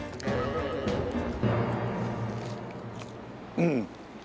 うん。